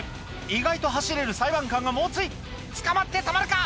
意外と走れる裁判官が猛追捕まってたまるか！